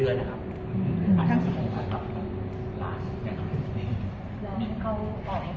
หรือเป็นอะไรที่คุณต้องการให้ดู